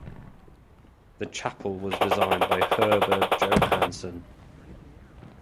The chapel was designed by Herbert Johanson.